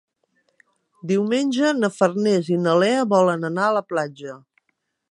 Diumenge na Farners i na Lea volen anar a la platja.